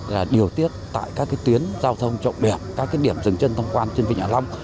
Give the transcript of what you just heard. là điều tiết tại các cái tuyến giao thông trọng đẹp các cái điểm dừng chân tham quan trên vịnh hạ long